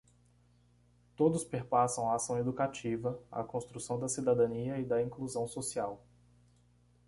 Todos perpassam a ação educativa, a construção da cidadania e da inclusão social